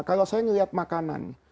kalau saya melihat makanan